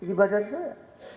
ibadah itu ya